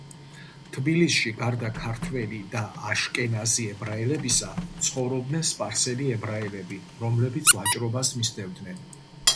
თბილისში გარდა ქართველი და აშკენაზი ებრაელებისა ცხოვრობდნენ სპარსელი ებრაელები, რომლებიც ვაჭრობას მისდევდნენ.